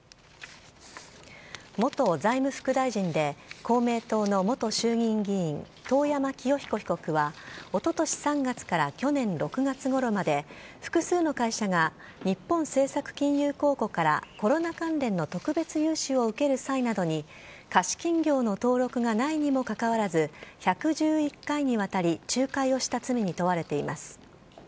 元財務副大臣で公明党の元衆議院議員、遠山清彦被告は、おととし３月から去年６月ごろまで複数の会社が日本政策金融公庫からコロナ関連の特別融資を受ける際などに貸金業の登録がないにもかかわらず、１１１回にわたり仲介をした罪に問われています。